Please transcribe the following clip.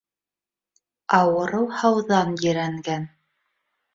Ауырыу һауҙан ерәнгән.